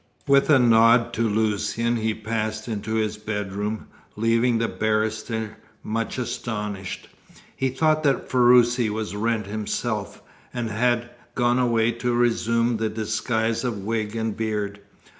With a nod to Lucian he passed into his bedroom, leaving the barrister much astonished. He thought that Ferruci was Wrent himself, and had gone away to resume the disguise of wig and beard.